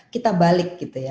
kita balik gitu ya